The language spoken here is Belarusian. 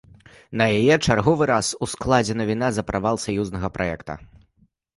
На яе чарговы раз ускладзена віна за правал саюзнага праекта.